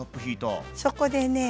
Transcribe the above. そこでね